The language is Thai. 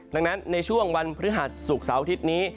ดังนั้นในช่วงวันพฤหัสศุกร์เสาร์อาทิตย์นี้